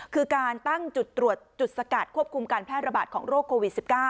คือการตั้งจุดตรวจจุดสกัดควบคุมการแพร่ระบาดของโรคโควิด๑๙